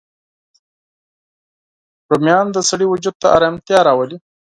رومیان د سړی وجود ته ارامتیا راولي